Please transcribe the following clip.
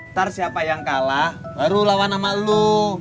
ntar siapa yang kalah baru lawan sama lo